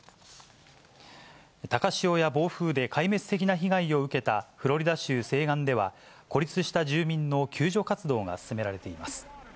高潮や暴風で壊滅的な被害を受けたフロリダ州西岸では、孤立した住民の救助活動が進められています。